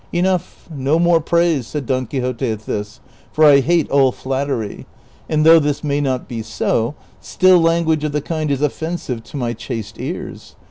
"Enough; no more praise," said Don Quixote at this, "for I hate all flattery ; and though this may not be so, still language of the kind is offensive to my chaste ears.